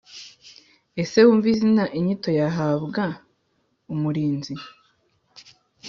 Ese wumve izina inyito y ahabwa Umurinzi